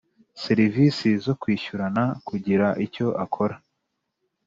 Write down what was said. serivisi zo kwishyurana kugira icyo akora